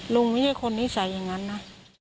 ไม่ใช่คนนิสัยอย่างนั้นนะ